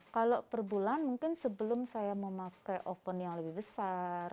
kalau per bulan mungkin sebelum saya memakai oven yang lebih besar